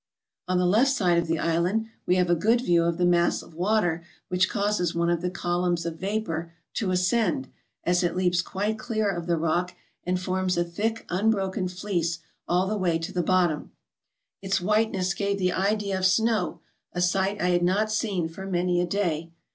On the left side of the island we have a good view of the mass of water which causes one of the columns of vapor to ascend, as it leaps quite clear of the rock, and forms a thick unbroken fleece all the way to the bottom. Its white ness gave the idea of snow, a sight I had not seen for many a day.